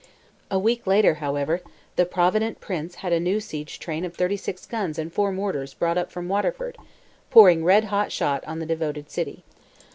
A week later, however, the provident prince had a new siege train of thirty six guns and four mortars brought up from Waterford, pouring red hot shot on the devoted city.